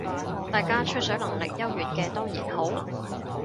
大家吹水能力優越嘅當然好